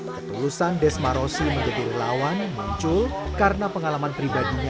ketulusan desmarosi menjadi lawan muncul karena pengalaman pribadinya